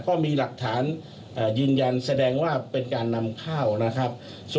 ก็มีหลักฐานยืนยันแสดงว่าเป็นการนำข้าวนะครับ